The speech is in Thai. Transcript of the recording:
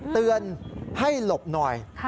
เตือนให้หลบหน่อย